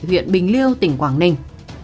huyện bình liêu tỉnh quảng ninh